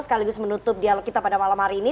sekaligus menutup dialog kita pada malam hari ini